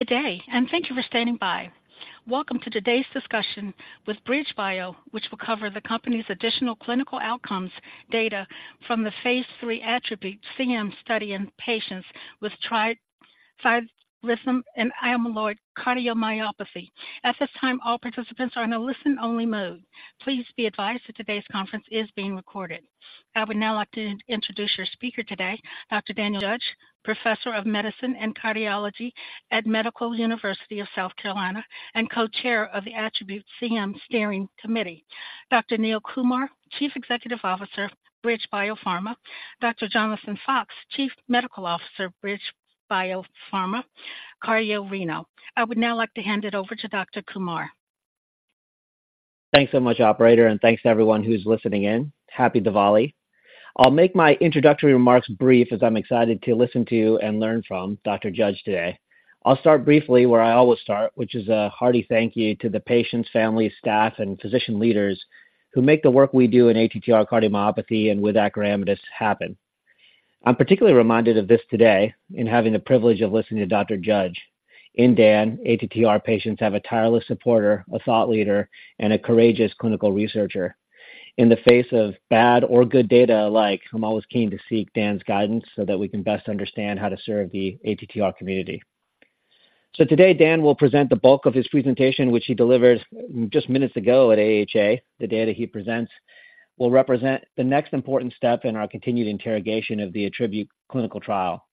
Good day, and thank you for standing by. Welcome to today's discussion with BridgeBio, which will cover the company's additional clinical outcomes data from the phase III ATTRibute-CM study in patients with Transthyretin Amyloid Cardiomyopathy. At this time, all participants are in a listen-only mode. Please be advised that today's conference is being recorded. I would now like to introduce your speaker today, Dr. Daniel Judge, Professor of Medicine and Cardiology at Medical University of South Carolina and Co-Chair of the ATTRibute-CM Steering Committee, Dr. Neil Kumar, Chief Executive Officer, BridgeBio Pharma, Dr. Jonathan Fox, Chief Medical Officer, BridgeBio Pharma, cardiovascular and renal. I would now like to hand it over to Dr. Kumar. Thanks so much, operator, and thanks to everyone who's listening in. Happy Diwali. I'll make my introductory remarks brief as I'm excited to listen to and learn from Dr. Judge today. I'll start briefly where I always start, which is a hearty thank you to the patients, families, staff, and physician leaders who make the work we do in ATTR cardiomyopathy and with acoramidis happen. I'm particularly reminded of this today in having the privilege of listening to Dr. Judge. In Dan, ATTR patients have a tireless supporter, a thought leader, and a courageous clinical researcher. In the face of bad or good data alike, I'm always keen to seek Dan's guidance so that we can best understand how to serve the ATTR community. So today, Dan will present the bulk of his presentation, which he delivered just minutes ago at AHA. The data he presents will represent the next important step in our continued interrogation of the ATTRibute clinical trial.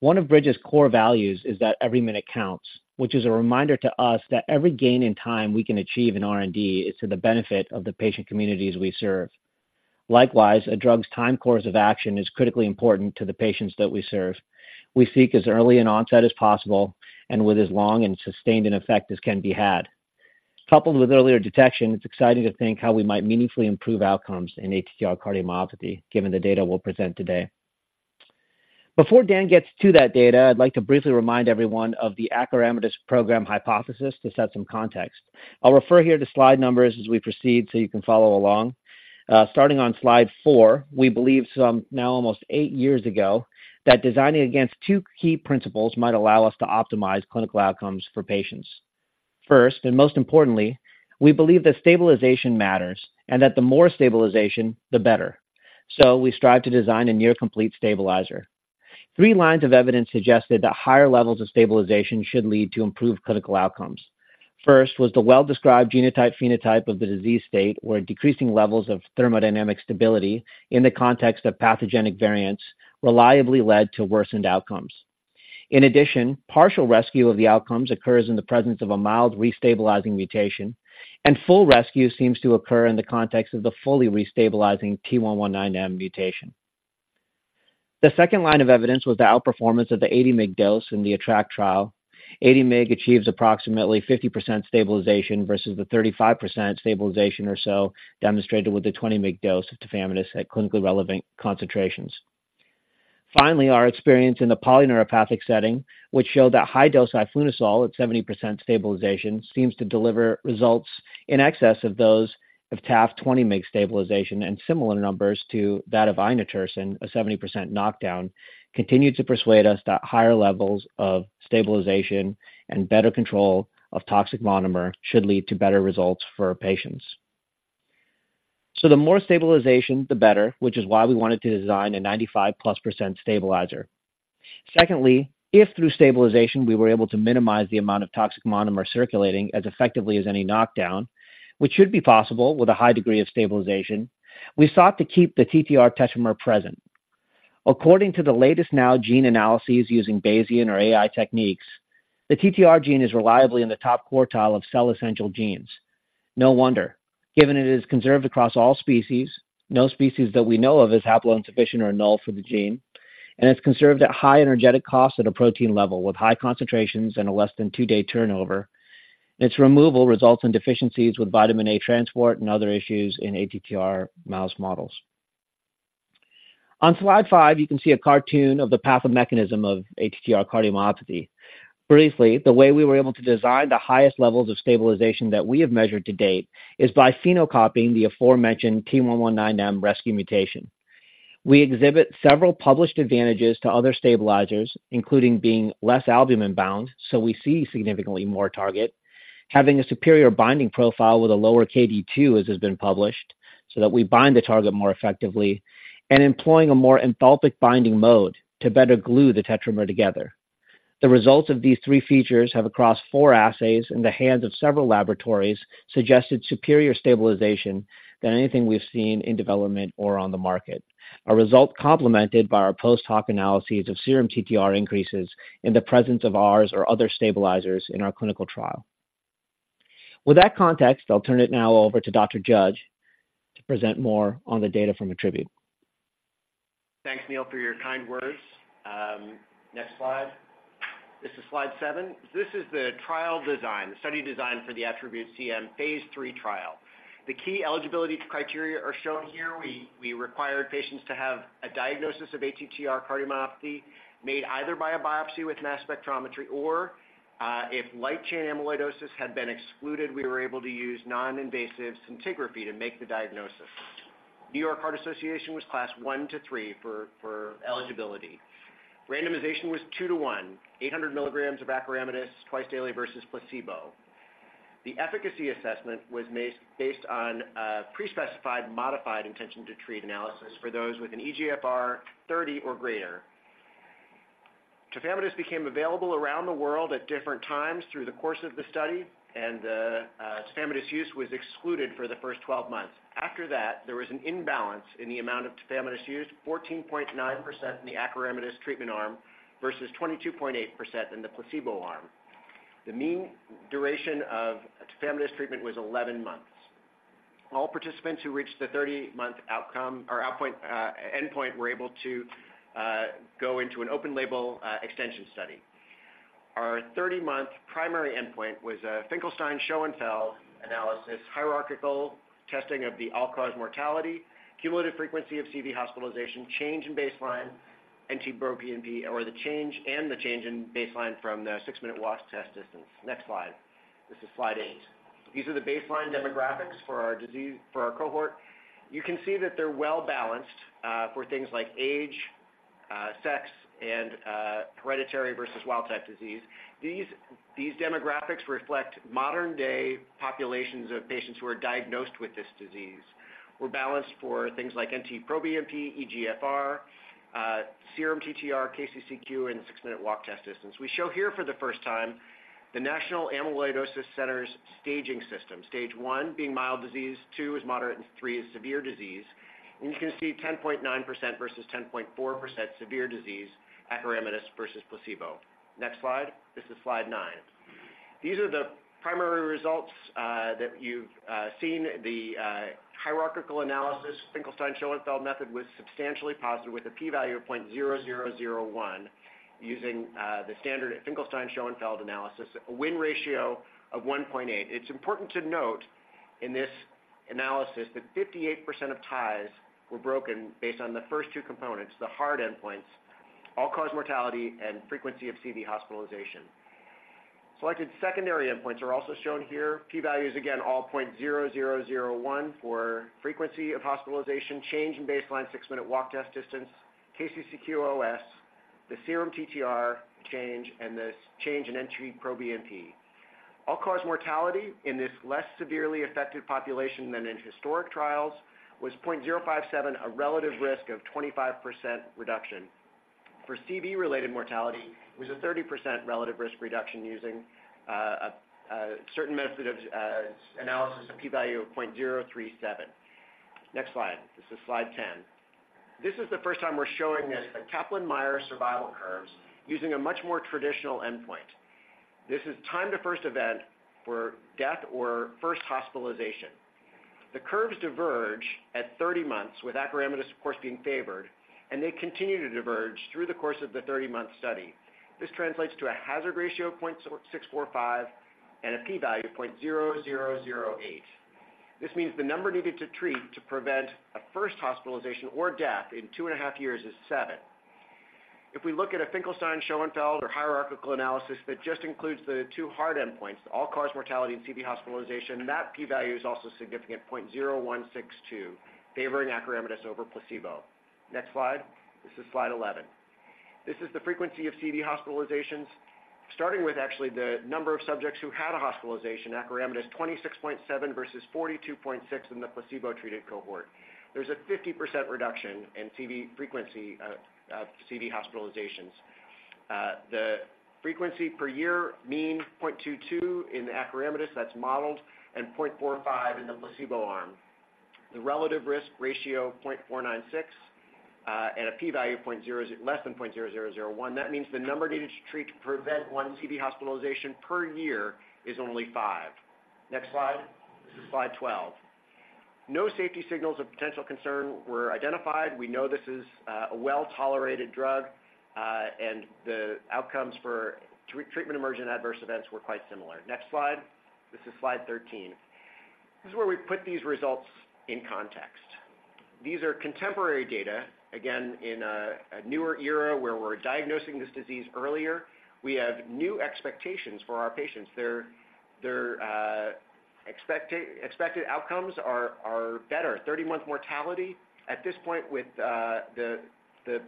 One of Bridge's core values is that every minute counts, which is a reminder to us that every gain in time we can achieve in R&D is to the benefit of the patient communities we serve. Likewise, a drug's time course of action is critically important to the patients that we serve. We seek as early an onset as possible and with as long and sustained an effect as can be had. Coupled with earlier detection, it's exciting to think how we might meaningfully improve outcomes in ATTR cardiomyopathy, given the data we'll present today. Before Dan gets to that data, I'd like to briefly remind everyone of the Acoramidis Program hypothesis to set some context. I'll refer here to slide numbers as we proceed, so you can follow along. Starting on slide four, we believe, now almost eight years ago, that designing against two key principles might allow us to optimize clinical outcomes for patients. First, and most importantly, we believe that stabilization matters and that the more stabilization, the better. So we strive to design a near complete stabilizer. Three lines of evidence suggested that higher levels of stabilization should lead to improved clinical outcomes. First, was the well-described genotype/phenotype of the disease state, where decreasing levels of thermodynamic stability in the context of pathogenic variants reliably led to worsened outcomes. In addition, partial rescue of the outcomes occurs in the presence of a mild restabilizing mutation, and full rescue seems to occur in the context of the fully restabilizing T119M mutation. The second line of evidence was the outperformance of the 80 mg dose in the ATTR-ACT trial. 80 mg achieves approximately 50% stabilization versus the 35% stabilization or so demonstrated with the 20 mg dose of tafamidis at clinically relevant concentrations. Finally, our experience in the polyneuropathic setting, which showed that high-dose diflunisal at 70% stabilization, seems to deliver results in excess of those of TAF 20 mg stabilization and similar numbers to that of inotersen, a 70% knockdown, continued to persuade us that higher levels of stabilization and better control of toxic monomer should lead to better results for our patients. So the more stabilization, the better, which is why we wanted to design a 95%+ stabilizer. Secondly, if through stabilization, we were able to minimize the amount of toxic monomer circulating as effectively as any knockdown, which should be possible with a high degree of stabilization, we sought to keep the TTR tetramer present. According to the latest whole genome analyses using Bayesian or AI techniques, the TTR gene is reliably in the top quartile of cell-essential genes. No wonder, given it is conserved across all species, no species that we know of is haploinsufficient or null for the gene, and it's conserved at high energetic costs at a protein level, with high concentrations and a less than two-day turnover. Its removal results in deficiencies with vitamin A transport and other issues in ATTR mouse models. On slide five, you can see a cartoon of the pathomechanism of ATTR cardiomyopathy. Briefly, the way we were able to design the highest levels of stabilization that we have measured to date is by phenocopying the aforementioned T119M rescue mutation. We exhibit several published advantages to other stabilizers, including being less albumin-bound, so we see significantly more target, having a superior binding profile with a lower KD2, as has been published, so that we bind the target more effectively, and employing a more enthalpic binding mode to better glue the tetramer together. The results of these three features have, across four assays in the hands of several laboratories, suggested superior stabilization than anything we've seen in development or on the market. A result complemented by our post-hoc analyses of serum TTR increases in the presence of ours or other stabilizers in our clinical trial. With that context, I'll turn it now over to Dr. Judge to present more on the data from ATTRibute. Thanks, Neil, for your kind words. Next slide. This is slide seven. This is the trial design, the study design for the ATTRibute-CM phase III trial. The key eligibility criteria are shown here. We required patients to have a diagnosis of ATTR cardiomyopathy made either by a biopsy with mass spectrometry, or, if light-chain amyloidosis had been excluded, we were able to use non-invasive scintigraphy to make the diagnosis.... New York Heart Association was class I-III for eligibility. Randomization was 2-to-1, 800 mg of acoramidis twice daily versus placebo. The efficacy assessment was based on a pre-specified modified intention-to-treat analysis for those with an eGFR 30 or greater. Tafamidis became available around the world at different times through the course of the study, and tafamidis use was excluded for the first 12 months. After that, there was an imbalance in the amount of tafamidis used, 14.9% in the acoramidis treatment arm versus 22.8% in the placebo arm. The mean duration of tafamidis treatment was 11 months. All participants who reached the 30-month outcome or endpoint were able to go into an open-label extension study. Our 30-month primary endpoint was a Finkelstein-Schoenfeld analysis, hierarchical testing of the all-cause mortality, cumulative frequency of CV hospitalization, change in baseline NT-proBNP, or the change in baseline from the six-minute walk test distance. Next slide. This is slide eight. These are the baseline demographics for our disease, for our cohort. You can see that they're well-balanced for things like age, sex, and hereditary versus wild-type disease. These demographics reflect modern day populations of patients who are diagnosed with this disease. We're balanced for things like NT-proBNP, eGFR, serum TTR, KCCQ, and six-minute walk test distance. We show here for the first time, the National Amyloidosis Centre's staging system. Stage I being mild disease, II is moderate, and III is severe disease. And you can see 10.9% versus 10.4% severe disease, acoramidis versus placebo. Next slide. This is slide nine. These are the primary results that you've seen. The hierarchical analysis, Finkelstein-Schoenfeld method, was substantially positive, with a p-value of 0.0001, using the standard Finkelstein-Schoenfeld analysis, a win ratio of 1.8. It's important to note in this analysis that 58% of ties were broken based on the first two components, the hard endpoints, all-cause mortality and frequency of CV hospitalization. Selected secondary endpoints are also shown here. P-values, again, all 0.0001 for frequency of hospitalization, change in baseline six-minute walk test distance, KCCQ-OS, the serum TTR change, and the change in NT-proBNP. All-cause mortality in this less severely affected population than in historic trials was 0.057, a relative risk of 25% reduction. For CV-related mortality, it was a 30% relative risk reduction using a certain method of analysis, a p-value of 0.037. Next slide. This is slide 10. This is the first time we're showing this, the Kaplan-Meier survival curves, using a much more traditional endpoint. This is time to first event for death or first hospitalization. The curves diverge at 30 months, with acoramidis, of course, being favored, and they continue to diverge through the course of the 30-month study. This translates to a hazard ratio of 0.645 and a p-value of 0.0008. This means the number needed to treat to prevent a first hospitalization or death in two and half years is seven. If we look at a Finkelstein-Schoenfeld or hierarchical analysis that just includes the two hard endpoints, all-cause mortality and CV hospitalization, that p-value is also significant, 0.0162, favoring acoramidis over placebo. Next slide. This is slide 11. This is the frequency of CV hospitalizations, starting with actually the number of subjects who had a hospitalization, acoramidis 26.7 versus 42.6 in the placebo-treated cohort. There's a 50% reduction in CV frequency, CV hospitalizations. The frequency per year mean 0.22 in acoramidis, that's modeled, and 0.45 in the placebo arm. The relative risk ratio of 0.496, and a p-value of 0, less than 0.0001. That means the number needed to treat to prevent one CV hospitalization per year is only 5. Next slide. Slide 12. No safety signals of potential concern were identified. We know this is a well-tolerated drug, and the outcomes for treatment-emergent adverse events were quite similar. Next slide. This is slide 13. This is where we put these results in context. These are contemporary data, again, in a newer era where we're diagnosing this disease earlier. We have new expectations for our patients. Their expected outcomes are better. 30-month mortality at this point with the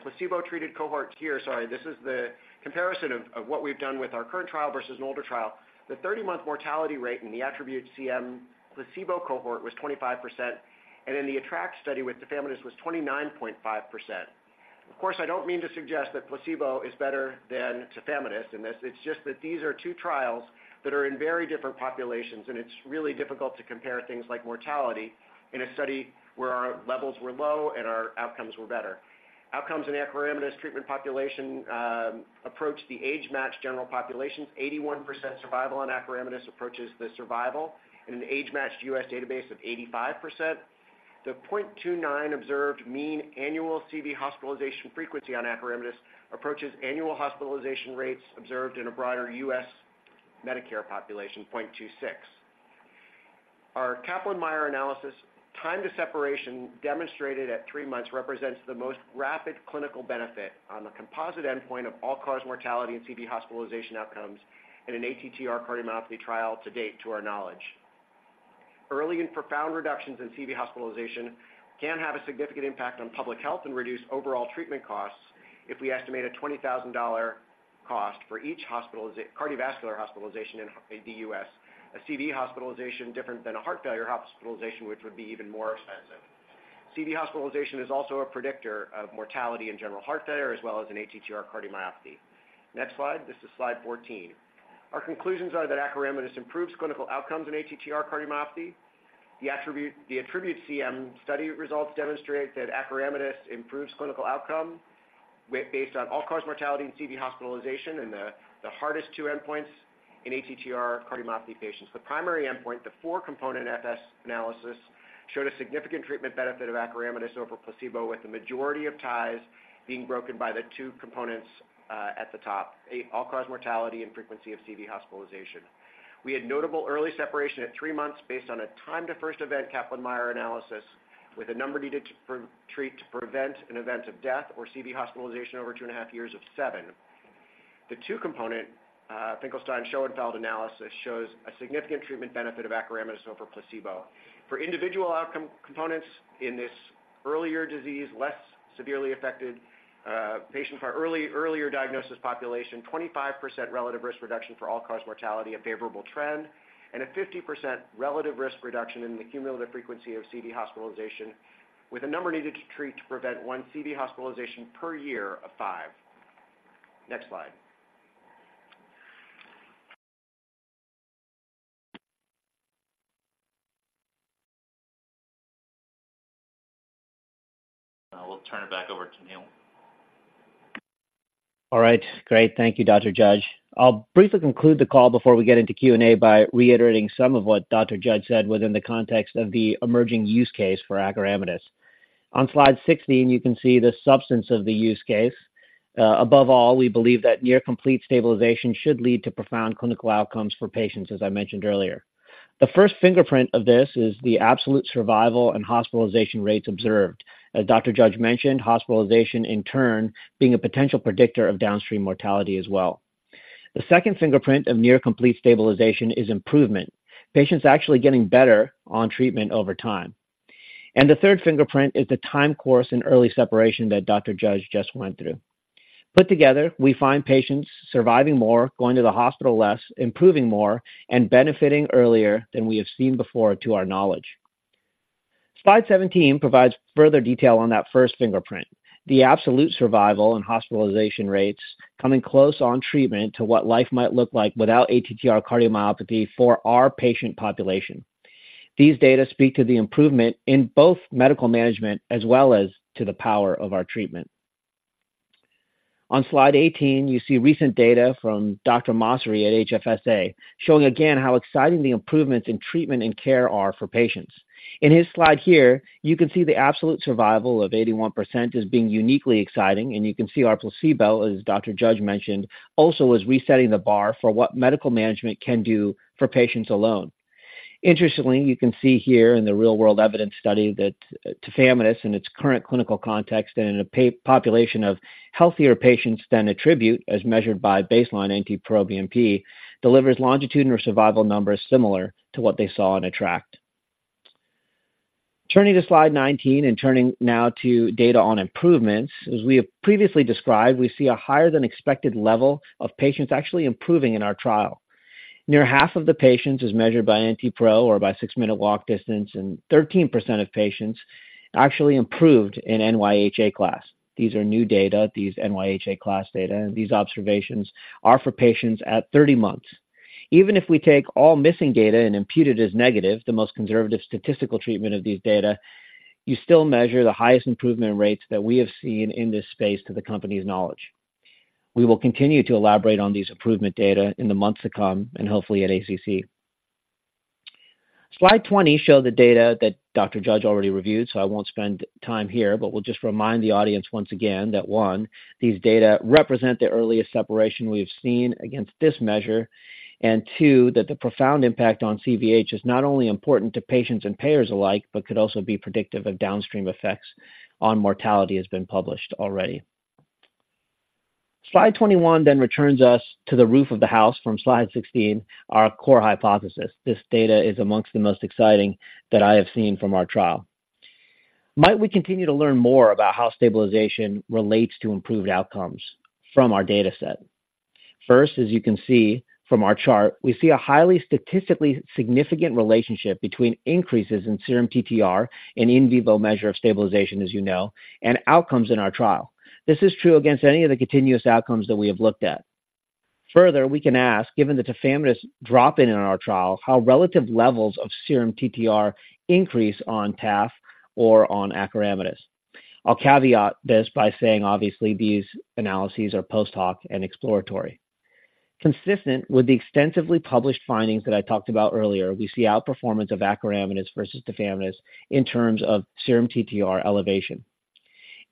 placebo-treated cohort here. Sorry, this is the comparison of what we've done with our current trial versus an older trial. The 30-month mortality rate in the ATTRibute-CM placebo cohort was 25%, and in the ATTR-ACT study with tafamidis was 29.5%. Of course, I don't mean to suggest that placebo is better than tafamidis in this. It's just that these are two trials that are in very different populations, and it's really difficult to compare things like mortality in a study where our levels were low and our outcomes were better. Outcomes in acoramidis treatment population approached the age-matched general populations. 81% survival on acoramidis approaches the survival in an age-matched U.S. database of 85%. The 0.29 observed mean annual CV hospitalization frequency on acoramidis approaches annual hospitalization rates observed in a broader U.S. Medicare population, 0.26. Our Kaplan-Meier analysis, time to separation, demonstrated at three months, represents the most rapid clinical benefit on the composite endpoint of all-cause mortality and CV hospitalization outcomes in an ATTR cardiomyopathy trial to date, to our knowledge. Early and profound reductions in CV hospitalization can have a significant impact on public health and reduce overall treatment costs if we estimate a $20,000 cost for each cardiovascular hospitalization in the US. A CV hospitalization different than a heart failure hospitalization, which would be even more expensive. CV hospitalization is also a predictor of mortality and general heart failure, as well as an ATTR cardiomyopathy. Next slide. This is slide 14. Our conclusions are that acoramidis improves clinical outcomes in ATTR cardiomyopathy. The ATTRibute-CM study results demonstrate that acoramidis improves clinical outcome with based on all-cause mortality and CV hospitalization, and the hardest two endpoints in ATTR cardiomyopathy patients. The primary endpoint, the four-component F-S analysis, showed a significant treatment benefit of acoramidis over placebo, with the majority of ties being broken by the two components at the top, all-cause mortality and frequency of CV hospitalization. We had notable early separation at three months based on a time to first event Kaplan-Meier analysis, with a number needed to treat to prevent an event of death or CV hospitalization over two and half years of seven. The 2-component Finkelstein-Schoenfeld analysis shows a significant treatment benefit of acoramidis over placebo. For individual outcome components in this earlier disease, less severely affected patients in the earlier diagnosis population, 25% relative risk reduction for all-cause mortality, a favorable trend, and a 50% relative risk reduction in the cumulative frequency of CV hospitalization, with a number needed to treat to prevent one CV hospitalization per year of 5. Next slide. We'll turn it back over to Neil. All right. Great. Thank you, Dr. Judge. I'll briefly conclude the call before we get into Q&A by reiterating some of what Dr. Judge said within the context of the emerging use case for acoramidis. On slide 16, you can see the substance of the use case. Above all, we believe that near complete stabilization should lead to profound clinical outcomes for patients, as I mentioned earlier. The first fingerprint of this is the absolute survival and hospitalization rates observed. As Dr. Judge mentioned, hospitalization in turn, being a potential predictor of downstream mortality as well. The second fingerprint of near complete stabilization is improvement. Patients actually getting better on treatment over time. And the third fingerprint is the time course in early separation that Dr. Judge just went through. Put together, we find patients surviving more, going to the hospital less, improving more, and benefiting earlier than we have seen before, to our knowledge. Slide 17 provides further detail on that first fingerprint, the absolute survival and hospitalization rates coming close on treatment to what life might look like without ATTR cardiomyopathy for our patient population. These data speak to the improvement in both medical management as well as to the power of our treatment. On Slide 18, you see recent data from Dr. Masri at HFSA, showing again how exciting the improvements in treatment and care are for patients. In his slide here, you can see the absolute survival of 81% as being uniquely exciting, and you can see our placebo, as Dr. Judge mentioned, also is resetting the bar for what medical management can do for patients alone. Interestingly, you can see here in the real-world evidence study that tafamidis, in its current clinical context and in a population of healthier patients than ATTRibute, as measured by baseline NT-proBNP, delivers longitudinal survival numbers similar to what they saw in ATTR-ACT. Turning to slide 19 and turning now to data on improvements. As we have previously described, we see a higher than expected level of patients actually improving in our trial. Near half of the patients, as measured by NT-proBNP or by six-minute walk distance, and 13% of patients actually improved in NYHA class. These are new data, these NYHA class data, and these observations are for patients at 30 months. Even if we take all missing data and impute it as negative, the most conservative statistical treatment of these data. You still measure the highest improvement rates that we have seen in this space to the company's knowledge. We will continue to elaborate on these improvement data in the months to come and hopefully at ACC. Slide 20 show the data that Dr. Judge already reviewed, so I won't spend time here, but we'll just remind the audience once again that, one, these data represent the earliest separation we have seen against this measure. And two, that the profound impact on CVH is not only important to patients and payers alike, but could also be predictive of downstream effects on mortality, has been published already. Slide 21 then returns us to the roof of the house from slide 16, our core hypothesis. This data is among the most exciting that I have seen from our trial. Might we continue to learn more about how stabilization relates to improved outcomes from our dataset? First, as you can see from our chart, we see a highly statistically significant relationship between increases in serum TTR and in vivo measure of stabilization, as you know, and outcomes in our trial. This is true against any of the continuous outcomes that we have looked at. Further, we can ask, given the tafamidis drop-in in our trials, how relative levels of serum TTR increase on TAF or on acoramidis. I'll caveat this by saying obviously these analyses are post-hoc and exploratory. Consistent with the extensively published findings that I talked about earlier, we see outperformance of acoramidis versus tafamidis in terms of serum TTR elevation.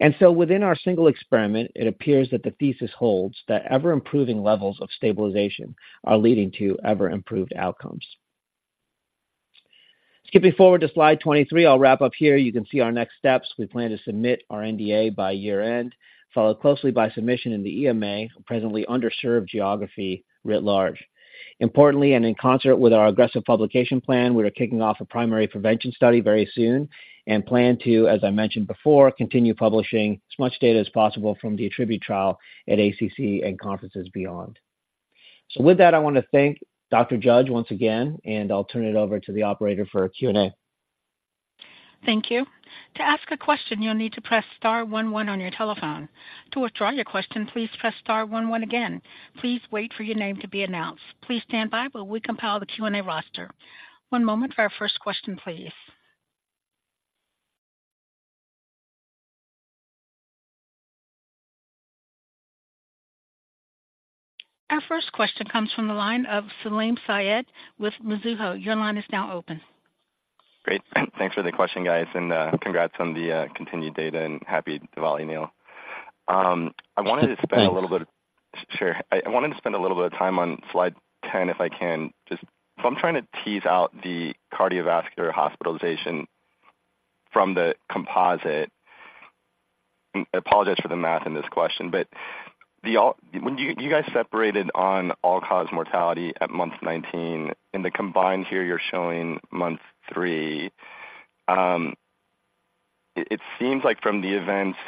And so within our single experiment, it appears that the thesis holds, that ever-improving levels of stabilization are leading to ever-improved outcomes. Skipping forward to slide 23, I'll wrap up here. You can see our next steps. We plan to submit our NDA by year-end, followed closely by submission in the EMA, presently underserved geography, writ large. Importantly, and in concert with our aggressive publication plan, we are kicking off a primary prevention study very soon and plan to, as I mentioned before, continue publishing as much data as possible from the ATTRibute trial at ACC and conferences beyond. So with that, I want to thank Dr. Judge once again, and I'll turn it over to the operator for a Q&A. Thank you. To ask a question, you'll need to press star one one on your telephone. To withdraw your question, please press star one one again. Please wait for your name to be announced. Please stand by while we compile the Q&A roster. One moment for our first question, please. Our first question comes from the line of Salim Syed with Mizuho. Your line is now open. Great. Thanks for the question, guys, and congrats on the continued data and happy Diwali, Neil. I wanted to spend a little bit of- Thanks. Sure. I wanted to spend a little bit of time on slide 10, if I can. Just, so I'm trying to tease out the cardiovascular hospitalization from the composite. I apologize for the math in this question, but when you guys separated on all-cause mortality at month 19, in the combined here, you're showing month three. It seems like from the events,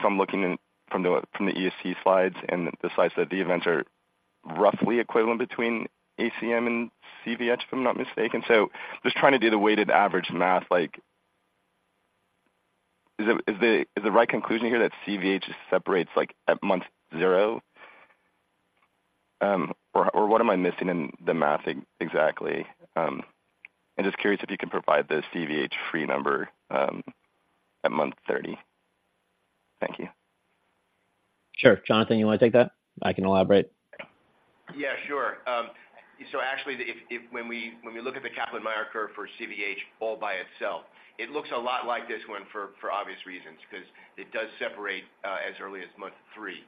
from looking in, from the ESC slides and the slides, that the events are roughly equivalent between ACM and CVH, if I'm not mistaken. So just trying to do the weighted average math, like, is the right conclusion here that CVH separates, like, at month zero? Or what am I missing in the math exactly? I'm just curious if you can provide the CVH free number at month 30. Thank you. Sure. Jonathan, you want to take that? I can elaborate. Yeah, sure. So actually, when we look at the Kaplan-Meier curve for CVH all by itself, it looks a lot like this one for obvious reasons, because it does separate as early as month three.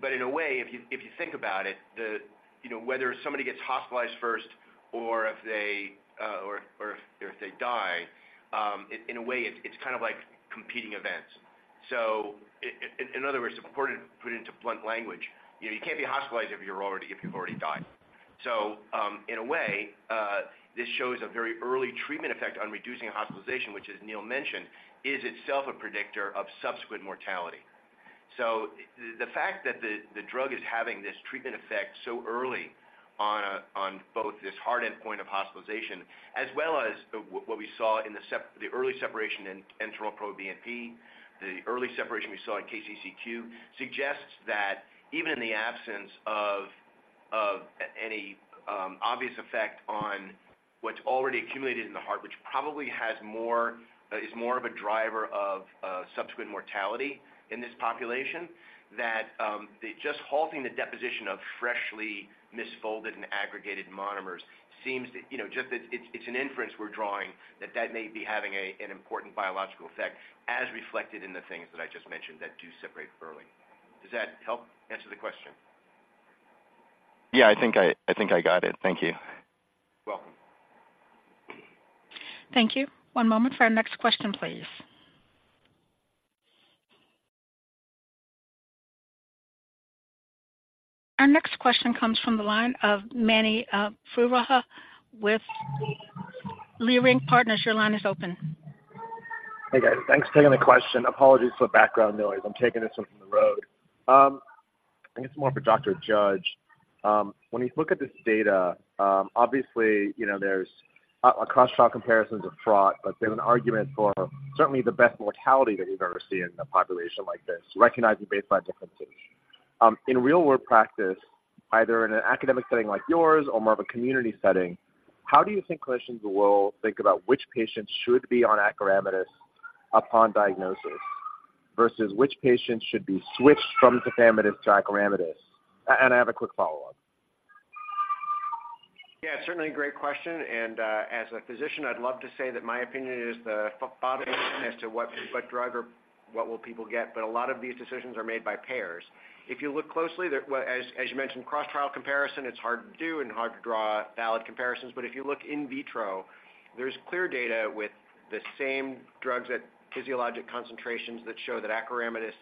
But in a way, if you think about it, you know, whether somebody gets hospitalized first or if they die, in a way, it's kind of like competing events. So in other words, to put it into blunt language, you know, you can't be hospitalized if you've already died. So in a way, this shows a very early treatment effect on reducing hospitalization, which, as Neil mentioned, is itself a predictor of subsequent mortality. So the fact that the drug is having this treatment effect so early on, on both this hard endpoint of hospitalization as well as the what we saw in the the early separation in NT-proBNP, the early separation we saw in KCCQ, suggests that even in the absence of any obvious effect on what's already accumulated in the heart, which probably is more of a driver of subsequent mortality in this population, that the just halting the deposition of freshly misfolded and aggregated monomers seems to, you know, it's an inference we're drawing, that that may be having an important biological effect, as reflected in the things that I just mentioned, that do separate early. Does that help answer the question? Yeah, I think I got it. Thank you. Welcome. Thank you. One moment for our next question, please. Our next question comes from the line of Mani Foroohar with Leerink Partners. Your line is open. Hey, guys. Thanks for taking the question. Apologies for the background noise. I'm taking this one from the road. I think it's more for Dr. Judge. When you look at this data, obviously, you know, there's a cross-trial comparisons are fraught, but there's an argument for certainly the best mortality that you've ever seen in a population like this, recognizing baseline differences. In real world practice, either in an academic setting like yours or more of a community setting, how do you think clinicians will think about which patients should be on acoramidis upon diagnosis versus which patients should be switched from tafamidis to acoramidis? And I have a quick follow-up. Yeah, certainly a great question, and as a physician, I'd love to say that my opinion is the final opinion as to what, what drug or what will people get, but a lot of these decisions are made by payers. If you look closely, there was, as you mentioned, cross-trial comparison, it's hard to do and hard to draw valid comparisons. But if you look in vitro, there's clear data with the same drugs at physiologic concentrations that show that acoramidis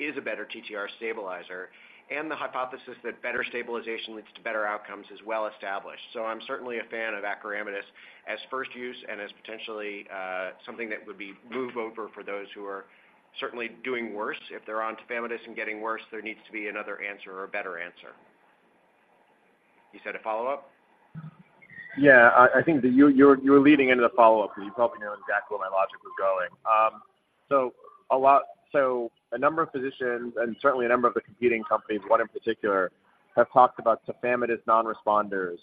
is a better TTR stabilizer, and the hypothesis that better stabilization leads to better outcomes is well established. So I'm certainly a fan of acoramidis as first use and as potentially something that would be moved over for those who are certainly doing worse. If they're on tafamidis and getting worse, there needs to be another answer or a better answer. You said a follow-up? Yeah, I think that you were leading into the follow-up, so you probably know exactly where my logic was going. So a number of physicians, and certainly a number of the competing companies, one in particular, have talked about tafamidis non-responders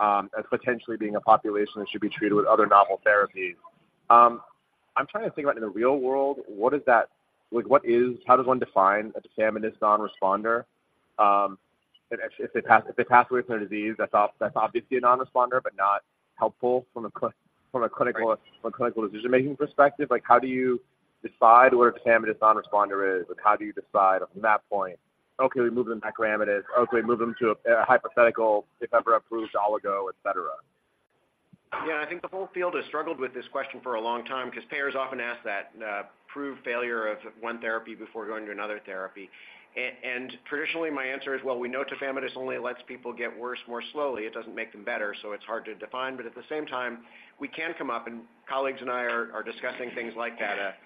as potentially being a population that should be treated with other novel therapies. I'm trying to think about in the real world, what does that... Like, what is-- how does one define a tafamidis non-responder? If they pass away from their disease, that's obviously a non-responder, but not helpful from a clinical- Right ...from a clinical decision-making perspective. Like, how do you decide what a tafamidis non-responder is, and how do you decide from that point, okay, we move them to tafamidis. Okay, we move them to a, a hypothetical, if ever approved, oligo, et cetera? Yeah, I think the whole field has struggled with this question for a long time because payers often ask that, prove failure of one therapy before going to another therapy. And traditionally, my answer is: well, we know tafamidis only lets people get worse, more slowly. It doesn't make them better, so it's hard to define. But at the same time, we can come up, and colleagues and I are discussing things like that,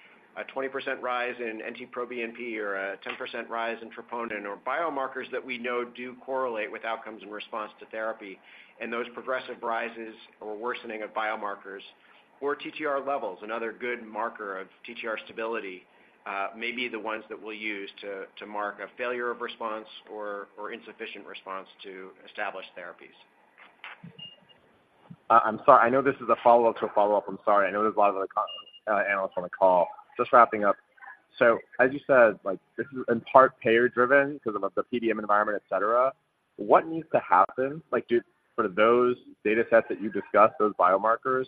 a 20% rise in NT-proBNP or a 10% rise in troponin or biomarkers that we know do correlate with outcomes in response to therapy. And those progressive rises or worsening of biomarkers or TTR levels, another good marker of TTR stability, may be the ones that we'll use to mark a failure of response or insufficient response to established therapies. I'm sorry. I know this is a follow-up to a follow-up. I'm sorry. I know there's a lot of other co-analysts on the call. Just wrapping up. So as you said, like, this is in part payer-driven because of the PBM environment, et cetera. What needs to happen, like, for those data sets that you discussed, those biomarkers,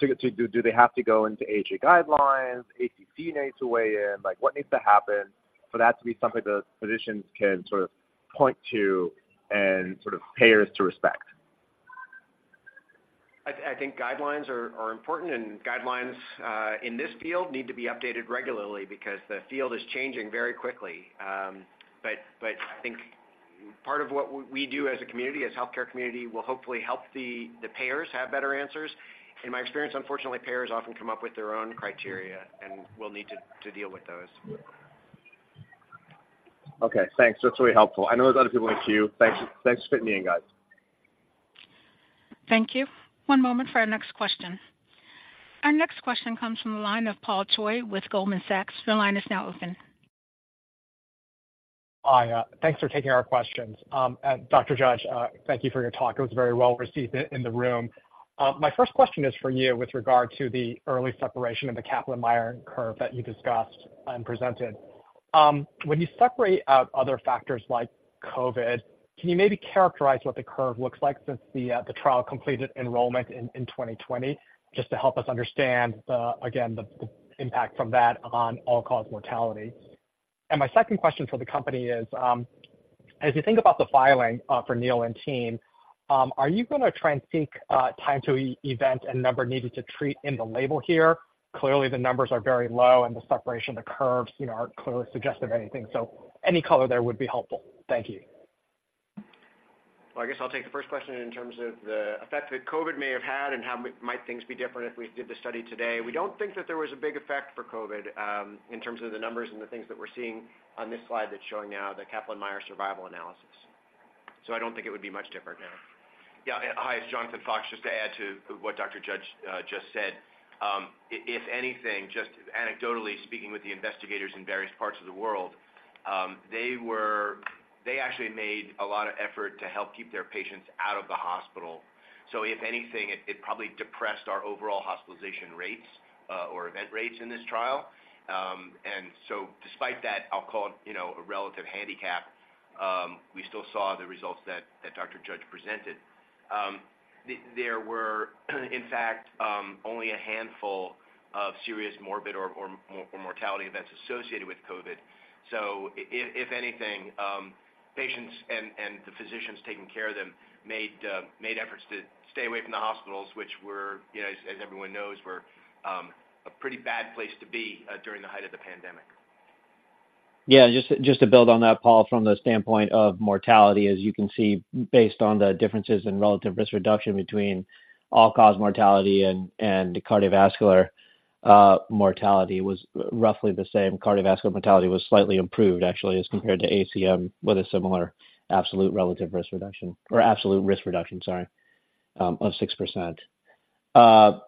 to get, do they have to go into AHA guidelines, ACC needs to weigh in? Like, what needs to happen for that to be something that physicians can sort of point to and sort of payers to respect? I think guidelines are important, and guidelines in this field need to be updated regularly because the field is changing very quickly. But I think part of what we do as a community, as a healthcare community, will hopefully help the payers have better answers. In my experience, unfortunately, payers often come up with their own criteria, and we'll need to deal with those. Okay, thanks. That's really helpful. I know there's other people in the queue. Thanks, thanks for fitting me in, guys. Thank you. One moment for our next question. Our next question comes from the line of Paul Choi with Goldman Sachs. Your line is now open. Hi, thanks for taking our questions. Dr. Judge, thank you for your talk. It was very well received in the room. My first question is for you with regard to the early separation of the Kaplan-Meier curve that you discussed and presented. When you separate out other factors like COVID, can you maybe characterize what the curve looks like since the trial completed enrollment in 2020, just to help us understand the impact from that on all-cause mortality? And my second question for the company is, as you think about the filing, for Neil and team, are you going to try and seek time to event and number needed to treat in the label here? Clearly, the numbers are very low, and the separation of the curves, you know, aren't clearly suggestive of anything. So any color there would be helpful. Thank you. Well, I guess I'll take the first question in terms of the effect that COVID may have had and how might things be different if we did the study today. We don't think that there was a big effect for COVID in terms of the numbers and the things that we're seeing on this slide that's showing now, the Kaplan-Meier survival analysis. So I don't think it would be much different now. Yeah. Hi, it's Jonathan Fox. Just to add to what Dr. Judge just said. If anything, just anecdotally, speaking with the investigators in various parts of the world, they actually made a lot of effort to help keep their patients out of the hospital. So if anything, it probably depressed our overall hospitalization rates or event rates in this trial. And so despite that, I'll call it, you know, a relative handicap, we still saw the results that Dr. Judge presented. There were, in fact, only a handful of serious morbid or mortality events associated with COVID. So if anything, patients and the physicians taking care of them made efforts to stay away from the hospitals, which were, you know, as everyone knows, a pretty bad place to be during the height of the pandemic. Yeah, just to build on that, Paul, from the standpoint of mortality, as you can see, based on the differences in relative risk reduction between all-cause mortality and cardiovascular mortality was roughly the same. Cardiovascular mortality was slightly improved, actually, as compared to ACM, with a similar absolute relative risk reduction, or absolute risk reduction, sorry, of 6%.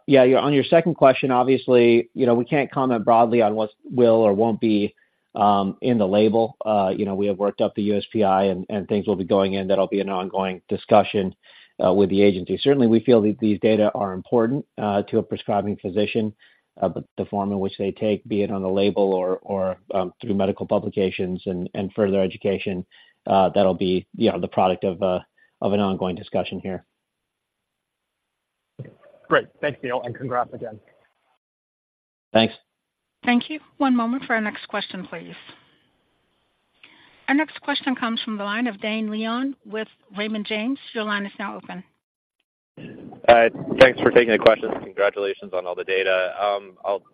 Yeah, on your second question, obviously, you know, we can't comment broadly on what will or won't be in the label. You know, we have worked up the USPI and things will be going in. That'll be an ongoing discussion with the agency. Certainly, we feel that these data are important to a prescribing physician, but the form in which they take, be it on the label or through medical publications and further education, that'll be, you know, the product of an ongoing discussion here. Great. Thanks, Neil, and congrats again. Thanks. Thank you. One moment for our next question, please. Our next question comes from the line of Dane Leone with Raymond James. Your line is now open. Thanks for taking the questions. Congratulations on all the data.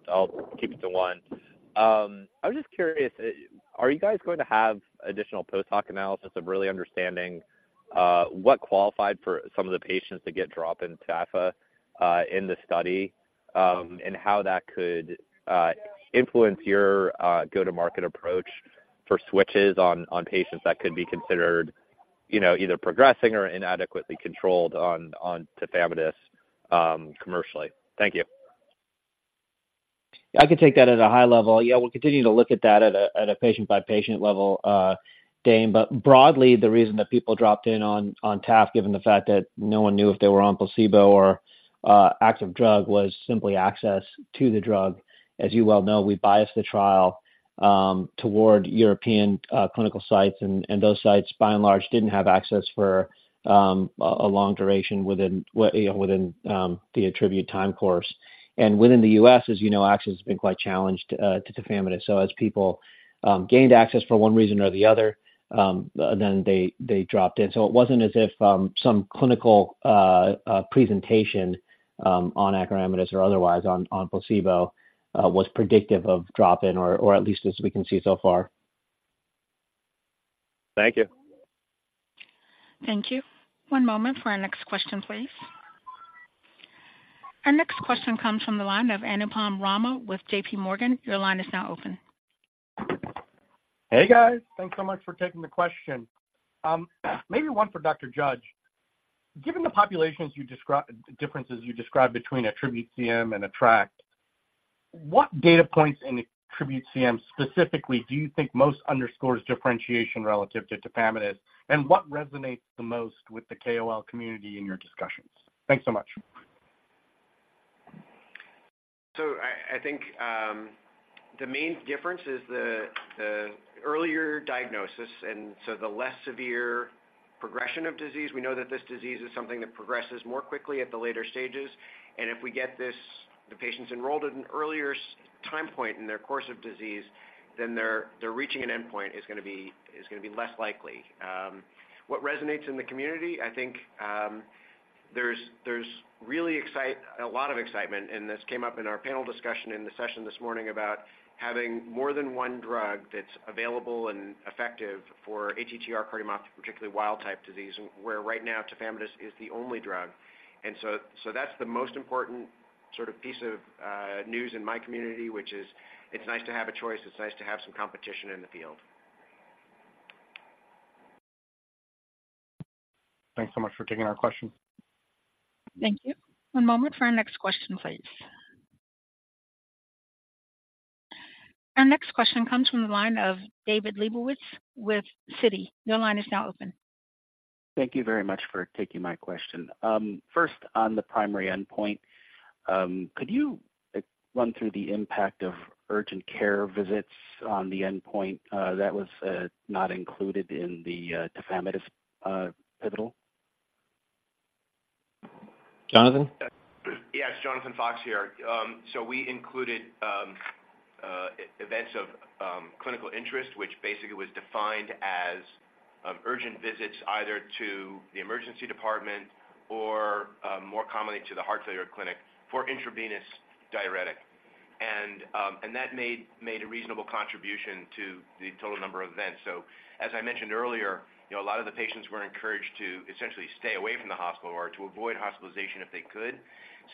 I'll keep it to one. I was just curious, are you guys going to have additional post-hoc analysis of really understanding what qualified for some of the patients to get drop in TAFA in the study? And how that could influence your go-to-market approach for switches on patients that could be considered, you know, either progressing or inadequately controlled on tafamidis commercially? Thank you.... I can take that at a high level. Yeah, we'll continue to look at that at a patient-by-patient level, Dane. But broadly, the reason that people dropped in on TAF, given the fact that no one knew if they were on placebo or active drug, was simply access to the drug. As you well know, we biased the trial toward European clinical sites, and those sites, by and large, didn't have access for a long duration within, you know, within the ATTRibute time course. And within the U.S., as you know, access has been quite challenged to tafamidis. So as people gained access for one reason or the other, then they dropped in. So it wasn't as if some clinical presentation on acoramidis or otherwise on placebo was predictive of drop-in, or at least as we can see so far. Thank you. Thank you. One moment for our next question, please. Our next question comes from the line of Anupam Rama with JPMorgan. Your line is now open. Hey, guys. Thanks so much for taking the question. Maybe one for Dr. Judge. Given the populations you described, differences you described between ATTRibute-CM and ATTR-ACT, what data points in ATTRibute-CM specifically do you think most underscores differentiation relative to tafamidis, and what resonates the most with the KOL community in your discussions? Thanks so much. So I think the main difference is the earlier diagnosis, and so the less severe progression of disease. We know that this disease is something that progresses more quickly at the later stages, and if we get this, the patients enrolled at an earlier time point in their course of disease, then their reaching an endpoint is gonna be less likely. What resonates in the community? I think there's a lot of excitement, and this came up in our panel discussion in the session this morning about having more than one drug that's available and effective for ATTR cardiomyopathy, particularly wild-type disease, where right now, tafamidis is the only drug. And so that's the most important sort of piece of news in my community, which is, it's nice to have a choice. It's nice to have some competition in the field. Thanks so much for taking our question. Thank you. One moment for our next question, please. Our next question comes from the line of David Leibowitz with Citi. Your line is now open. Thank you very much for taking my question. First, on the primary endpoint, could you run through the impact of urgent care visits on the endpoint that was not included in the tafamidis pivotal? Jonathan? Yeah, it's Jonathan Fox here. So we included events of clinical interest, which basically was defined as urgent visits either to the emergency department or, more commonly, to the heart failure clinic for intravenous diuretic. And that made a reasonable contribution to the total number of events. So as I mentioned earlier, you know, a lot of the patients were encouraged to essentially stay away from the hospital or to avoid hospitalization if they could.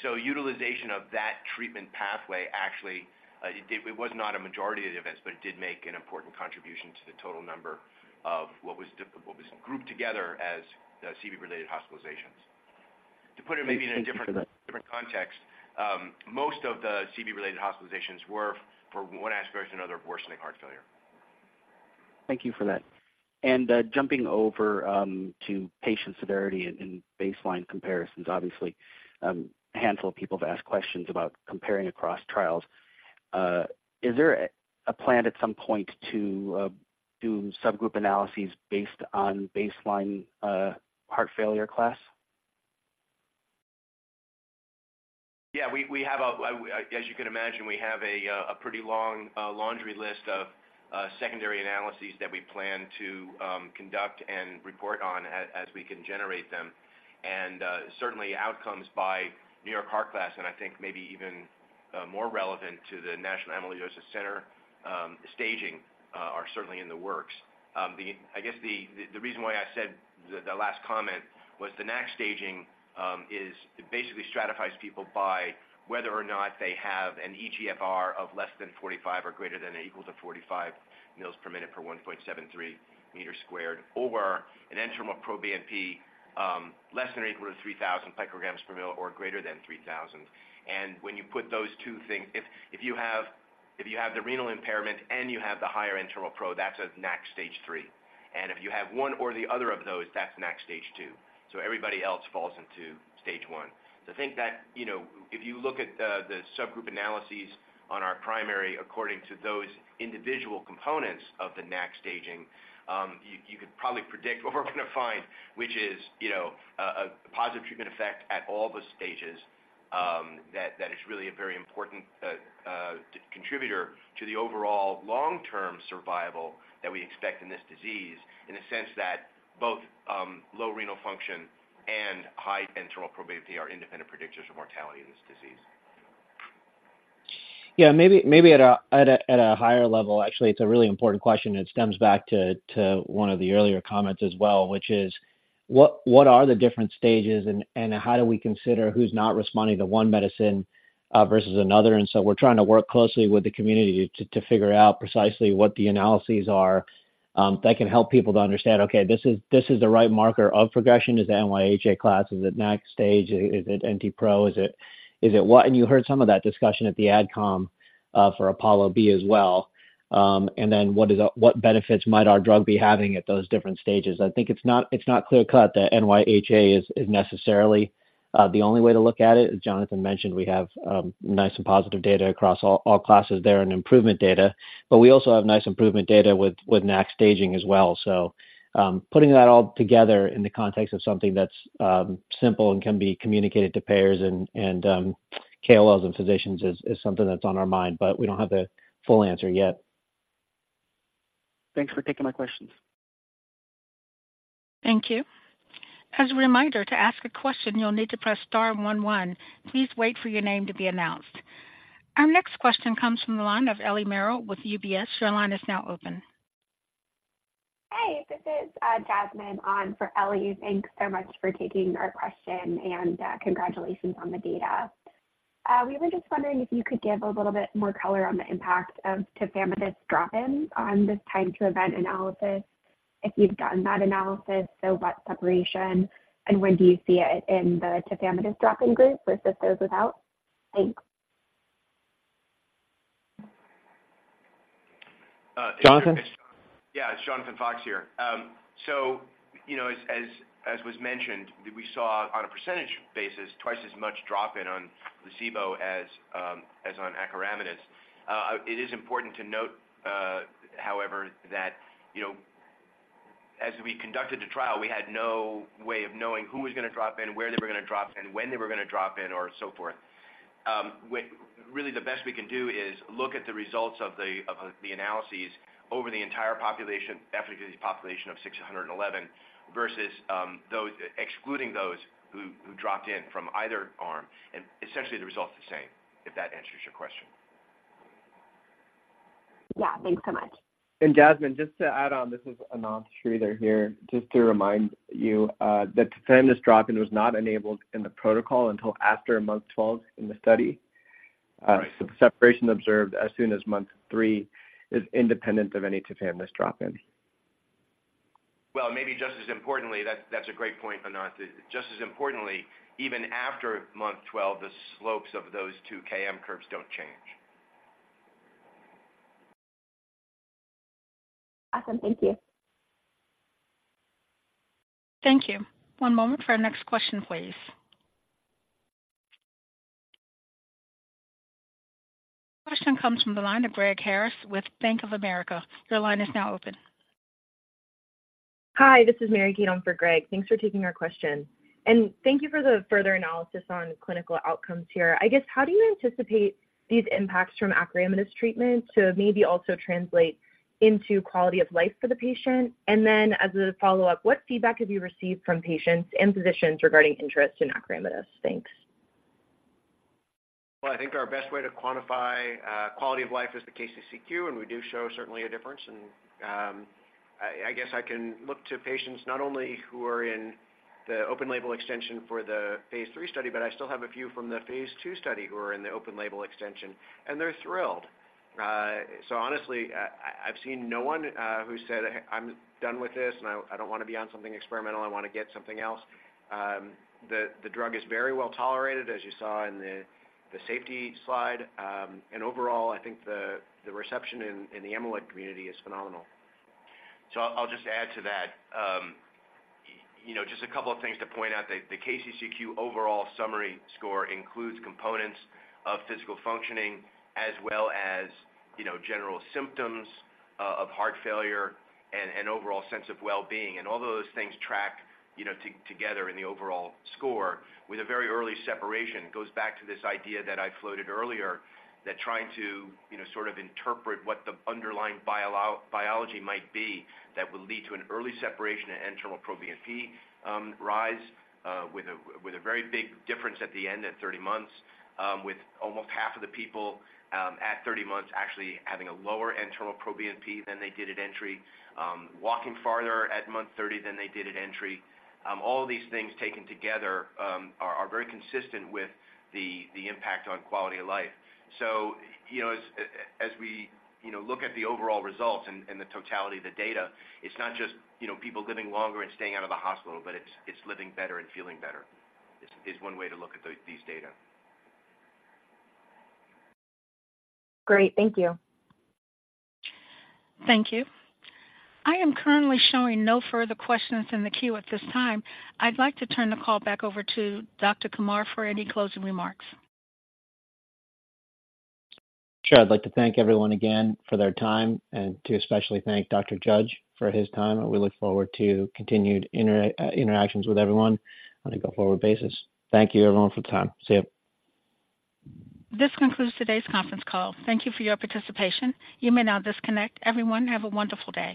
So utilization of that treatment pathway actually, it did... It was not a majority of the events, but it did make an important contribution to the total number of what was grouped together as the CV-related hospitalizations. Thank you for that. To put it maybe in a different, different context, most of the CV-related hospitalizations were, for one aspiration or another, worsening heart failure. Thank you for that. And jumping over to patient severity and baseline comparisons, obviously, a handful of people have asked questions about comparing across trials. Is there a plan at some point to do subgroup analyses based on baseline heart failure class? Yeah, we have, as you can imagine, we have a pretty long laundry list of secondary analyses that we plan to conduct and report on as we can generate them. Certainly outcomes by New York Heart class, and I think maybe even more relevant to the National Amyloidosis Centre staging are certainly in the works. I guess the reason why I said the last comment was the NAC staging is it basically stratifies people by whether or not they have an eGFR of less than 45 or greater than or equal to 45 mL/min/1.73 m², or an NT-proBNP less than or equal to 3,000 pg/mL, or greater than 3,000. When you put those two things, if you have the renal impairment and you have the higher NT-proBNP, that's a NAC stage III. And if you have one or the other of those, that's NAC stage II. So everybody else falls into stage one. So I think that, you know, if you look at the subgroup analyses on our primary, according to those individual components of the NAC staging, you could probably predict what we're gonna find, which is, you know, a positive treatment effect at all the stages, that is really a very important contributor to the overall long-term survival that we expect in this disease, in the sense that both low renal function and high NT-proBNP are independent predictors of mortality in this disease. Yeah, maybe at a higher level, actually, it's a really important question, and it stems back to one of the earlier comments as well, which is: What are the different stages, and how do we consider who's not responding to one medicine versus another? And so we're trying to work closely with the community to figure out precisely what the analyses are. ... that can help people to understand, okay, this is the right marker of progression. Is it NYHA class? Is it NAC stage? Is it NT-pro? Is it what? And you heard some of that discussion at the ADCOM for APOLLO-B as well. And then what benefits might our drug be having at those different stages? I think it's not clear-cut that NYHA is necessarily the only way to look at it. As Jonathan mentioned, we have nice and positive data across all classes there and improvement data, but we also have nice improvement data with NAC staging as well. So, putting that all together in the context of something that's simple and can be communicated to payers and KOLs and physicians is something that's on our mind, but we don't have the full answer yet. Thanks for taking my questions. Thank you. As a reminder, to ask a question, you'll need to press star one one. Please wait for your name to be announced. Our next question comes from the line of Ellie Merle with UBS. Your line is now open. Hey, this is Jasmine on for Ellie. Thanks so much for taking our question, and congratulations on the data. We were just wondering if you could give a little bit more color on the impact of tafamidis drop-in on this time to event analysis. If you've gotten that analysis, so what separation and when do you see it in the tafamidis drop-in group versus those without? Thanks. Jonathan? Yeah, it's Jonathan Fox here. So, you know, as was mentioned, we saw on a percentage basis, twice as much drop-in on placebo as on acoramidis. It is important to note, however, that, you know, as we conducted the trial, we had no way of knowing who was gonna drop in, where they were gonna drop in, when they were gonna drop in or so forth. Really the best we can do is look at the results of the analyses over the entire population, efficacy population of 611 versus those excluding those who dropped in from either arm, and essentially the result is the same, if that answers your question. Yeah. Thanks so much. Jasmine, just to add on, this is Ananth Sridhar here. Just to remind you, the tafamidis drop-in was not enabled in the protocol until after month 12 in the study. So the separation observed as soon as month three is independent of any tafamidis drop-in. Well, maybe just as importantly, that's a great point, Ananth. Just as importantly, even after month 12, the slopes of those two KM curves don't change. Awesome. Thank you. Thank you. One moment for our next question, please. Question comes from the line of Greg Harris with Bank of America. Your line is now open. Hi, this is Mary Kate on for Greg. Thanks for taking our question, and thank you for the further analysis on clinical outcomes here. I guess, how do you anticipate these impacts from acoramidis treatment to maybe also translate into quality of life for the patient? And then, as a follow-up, what feedback have you received from patients and physicians regarding interest in acoramidis? Thanks. Well, I think our best way to quantify quality of life is the KCCQ, and we do show certainly a difference in, I guess I can look to patients not only who are in the open label extension for the phase III study, but I still have a few from the phase II study who are in the open label extension, and they're thrilled. So honestly, I've seen no one who said, "I'm done with this, and I don't want to be on something experimental. I want to get something else." The drug is very well tolerated, as you saw in the safety slide. And overall, I think the reception in the amyloid community is phenomenal. So I'll just add to that. You know, just a couple of things to point out. The KCCQ overall summary score includes components of physical functioning as well as, you know, general symptoms of heart failure and overall sense of well-being. And all those things track, you know, together in the overall score with a very early separation. Goes back to this idea that I floated earlier, that trying to, you know, sort of interpret what the underlying biology might be that will lead to an early separation and NT-proBNP rise with a very big difference at the end, at 30 months, with almost half of the people at 30 months actually having a lower NT-proBNP than they did at entry, walking farther at month 30 than they did at entry. All of these things taken together are very consistent with the impact on quality of life. You know, as we, you know, look at the overall results and the totality of the data, it's not just, you know, people living longer and staying out of the hospital, but it's living better and feeling better, is one way to look at these data. Great. Thank you. Thank you. I am currently showing no further questions in the queue at this time. I'd like to turn the call back over to Dr. Kumar for any closing remarks. Sure. I'd like to thank everyone again for their time and to especially thank Dr. Judge for his time, and we look forward to continued interactions with everyone on a go-forward basis. Thank you, everyone, for the time. See you. This concludes today's conference call. Thank you for your participation. You may now disconnect. Everyone, have a wonderful day.